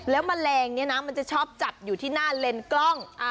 แล้วแมลงเนี่ยนะมันจะชอบจับอยู่ที่หน้าเลนส์กล้อง